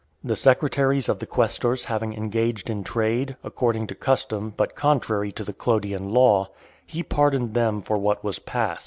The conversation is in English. The secretaries of the quaestors having engaged in trade, according to custom, but contrary to (487) the Clodian law , he pardoned them for what was past.